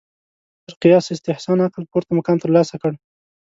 تر قیاس استحسان عقل پورته مقام ترلاسه کړ